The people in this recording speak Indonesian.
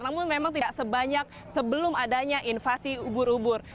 namun memang tidak sebanyak sebelum adanya invasi ubur ubur